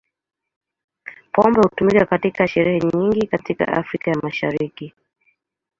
Pombe hutumika katika sherehe nyingi katika Afrika ya Mashariki.